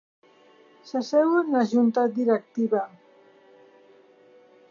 S'asseu en la junta directiva.